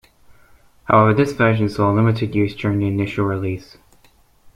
However, this version saw limited use during the initial release.